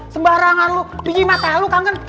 sembarangan lu tinggi mata lu kangen